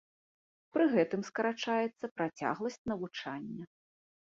Пры гэтым скарачаецца працягласць навучання.